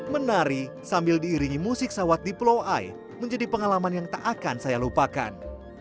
menari sambil diiringi musik sawat di pulau ai menjadi pengalaman yang tak akan saya lupakan